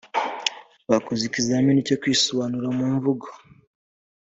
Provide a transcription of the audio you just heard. bakoze ikizamini cyo kwisobanura mu mvugo